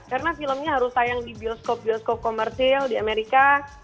karena filmnya harus tayang di bioskop bioskop komersil di amerika